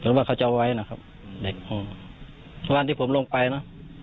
หรือว่าเขาจะเอาไว้นะครับเด็กคงร่านที่ผมลงไปเนอะ